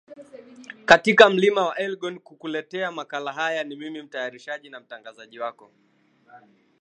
katika mlima wa elgon kuletea makala haya ni mimi mtayarishaji na mtangazaji wako